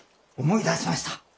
思い出しました！